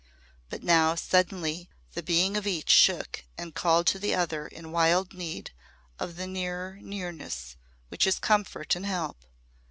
But now suddenly the being of each shook and called to the other in wild need of the nearer nearness which is comfort and help.